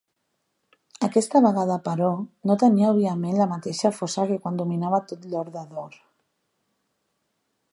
Aquesta vegada, però, no tenia òbviament la mateixa força que quan dominava tot l'Orde d'Or.